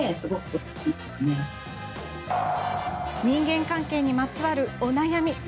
人間関係にまつわるお悩み